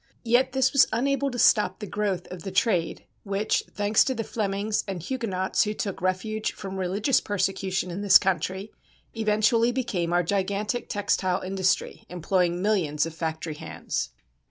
Yet this was unable to stop the growth of the trade which, thanks to the Flemings and Huguenots who took refuge from religious persecution in this country, eventually became our gigantic textile industry employing millions of factory hands.